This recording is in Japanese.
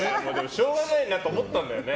しょうがないなと思ったんだよね。